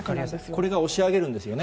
これが押し上げるんですよね。